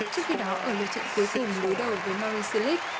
trước khi đó ở lượt trận cuối cùng đối đầu với murray sillick